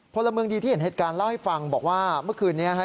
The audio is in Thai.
พลเมืองดีที่เห็นเหตุการณ์เล่าให้ฟังบอกว่าเมื่อคืนนี้ฮะ